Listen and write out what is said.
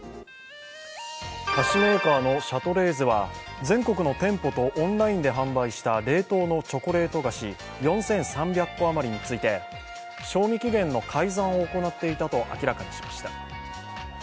菓子メーカーのシャトレーゼは全国の店舗とオンラインで販売した冷凍のチョコレート菓子、４３００個余りについて賞味期限の改ざんを行っていたと明らかにしました。